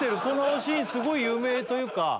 このシーンすごい有名というか。